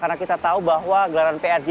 karena kita tahu bahwa gelaran prj